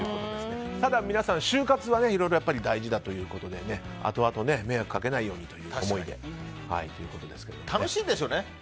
ただ、皆さん終活はいろいろ大事だということであとあと迷惑をかけないようにという思いで楽しいんでしょうね。